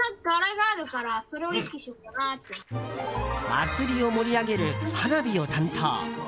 祭りを盛り上げる花火を担当！